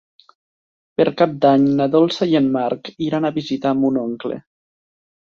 Per Cap d'Any na Dolça i en Marc iran a visitar mon oncle.